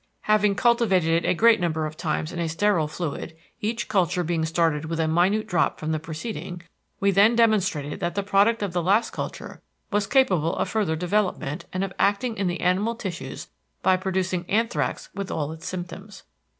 Having cultivated it a great number of times in a sterile fluid, each culture being started with a minute drop from the preceding, we then demonstrated that the product of the last culture was capable of further development and of acting in the animal tissues by producing anthrax with all its symptoms.